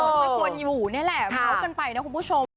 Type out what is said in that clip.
จริงมันควรอยู่นี่แหละมาเลาะกันไปนะคุณผู้ชม